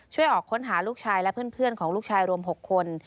ช่วยออกค้นหาลูกชายและเพื่อนของลูกชายรวม๖คน